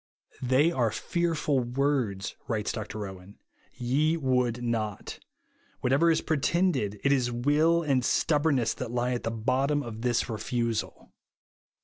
They are fearful words," writes Dr Owen, "' ye would not' Whatever is pretended, it is luill and stuhhornness that lie at the bottom of this refusal."